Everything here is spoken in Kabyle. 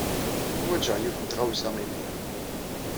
Ḥwajeɣ yiwet n tɣawsa imir-a.